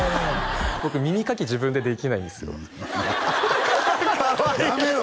僕耳かき自分でできないんですよハハッかわいいやめろ